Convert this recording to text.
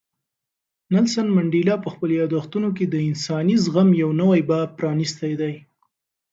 نیلسن منډېلا په خپلو یادښتونو کې د انساني زغم یو نوی باب پرانیستی دی.